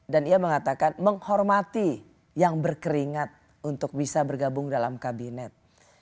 dan ia mengatakan menghormati yang berkeringat untuk bisa bergabung dalam kabinet